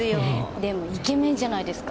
でもイケメンじゃないですか？